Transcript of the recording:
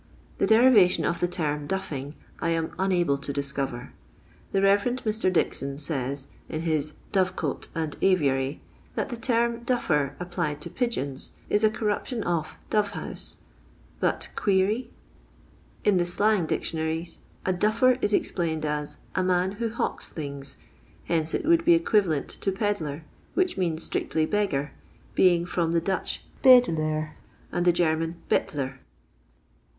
The derivation of the term " duffing " I am un able to discover. The Bev. Mr. Dixon says, in his "Dovecote and Aviary," that the term " Dufer," applied to pigeons, is a corruption of Dovehou*e, — but qtury t In the slang dictionaries a " Dufftr" is explained as '^ a man who hawks things ;" hence it would be equivalent to Pedlar, which means strictly beggar — being from the Dutch BedcUsar, and the German BeUler.